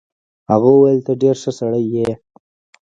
هغه وویل ته ډېر ښه سړی یې.